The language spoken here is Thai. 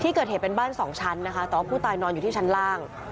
เกิดเหตุเป็นบ้านสองชั้นนะคะแต่ว่าผู้ตายนอนอยู่ที่ชั้นล่าง